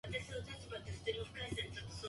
あと一時間、頑張りましょう！